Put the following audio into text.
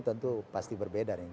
tentu pasti berbeda